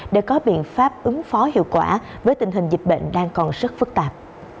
để có biện pháp ứng phó hiệu quả với tình hình dịch bệnh đang còn rất phức tạp